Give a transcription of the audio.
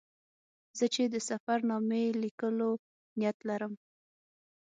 زه چې د سفر نامې لیکلو نیت لرم.